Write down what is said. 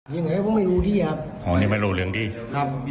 ยังไงผมไม่รู้ที่ครับอ๋อนี่ไม่รู้เรื่องดีครับ